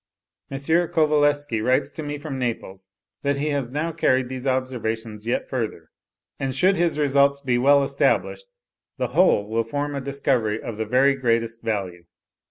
M. Kovalevsky writes to me from Naples, that he has now carried these observations yet further, and should his results be well established, the whole will form a discovery of the very greatest value.